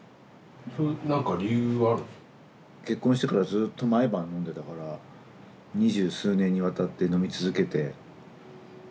結婚してからずっと毎晩飲んでたから二十数年にわたって飲み続けて疲れてきたみたいなことかな。